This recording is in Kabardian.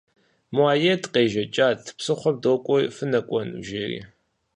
Муаед къежэкӏат «Псыхъуэм докӏуэри, фынэкӏуэну?» жери.